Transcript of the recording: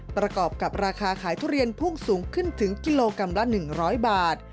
ประกอบกับราคาขายทุเรียนพุ่งสูงขึ้นถึงกิโลกรัมละ๑๐๐บาท